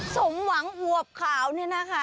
สมหวังอวบขาวเนี่ยนะคะ